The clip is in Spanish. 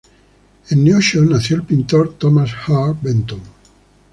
En Neosho nació el pintor Thomas Hart Benton.